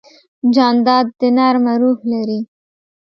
جانداد د نرمه روح لري.